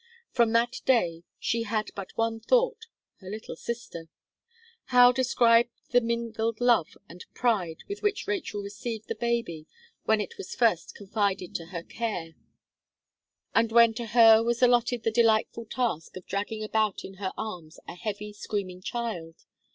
From that day, she had but one thought her little sister. How describe the mingled love and pride with which Rachel received the baby, when it was first confided to her care, and when to her was allotted the delightful task of dragging about in her arms a heavy, screaming child?